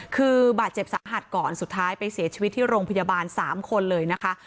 คือบาดเจ็บสาหัสก่อนสุดท้ายไปเสียชีวิตที่โรงพยาบาล๓คนเลยนะคะ